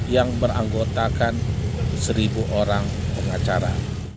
yang beranggotakan seribu orang pengacara